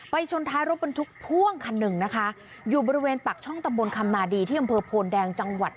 ชนท้ายรถบรรทุกพ่วงคันหนึ่งนะคะอยู่บริเวณปากช่องตำบลคำนาดีที่อำเภอโพนแดงจังหวัด